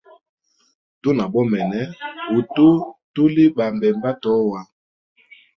Tuna bomene, hutu tuli ba mbemba atoa.